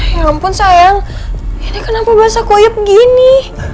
ya ampun sayang ini kenapa bahasa koyep gini